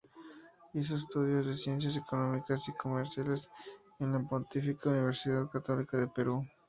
Hizo estudios en Ciencias Económicas y Comerciales en la Pontificia Universidad Católica del Perú.